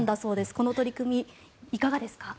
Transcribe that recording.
この取り組み、いかがですか。